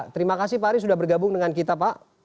terima kasih pak ari sudah bergabung dengan kita pak